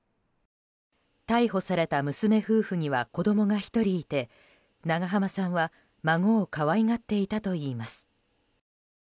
逮捕された娘夫婦には子供が１人いて長濱さんは孫を可愛がっていたといいます。